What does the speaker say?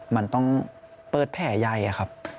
มันต้องเปิดแผ่ไยครับ